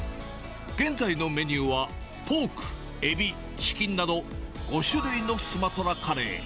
現在のメニューはポーク、エビ、チキンなど、５種類のスマトラカレー。